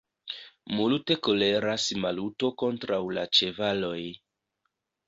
Multe koleras Maluto kontraŭ la ĉevaloj.